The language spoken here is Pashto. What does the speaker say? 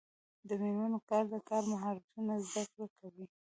د میرمنو کار د کار مهارتونو زدکړه کوي.